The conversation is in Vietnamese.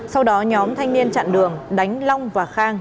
sau đó nhóm thanh niên chặn đường đánh long và khang